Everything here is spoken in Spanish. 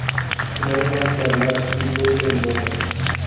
No hay más que hablar y punto en boca